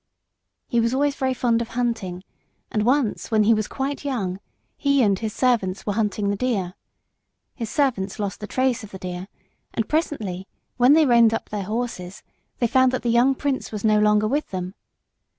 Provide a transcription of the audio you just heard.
He was always very fond of hunting, and once when he was quite young, he and his servants were hunting the deer. His servants lost the trace of the deer, and presently, when they reined up their horses, they found that the young prince was no longer with them.